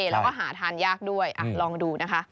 แล้วก็หาทานยากด้วยลองดูนะคะ